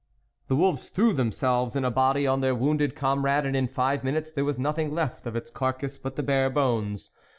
The wolves threw themselves in a body on their wounded comrade, and in five minutes there was nothing left of its carcase but the bare bones.